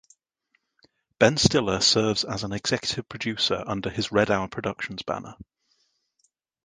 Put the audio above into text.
Ben Stiller serves as an executive producer under his Red Hour Productions banner.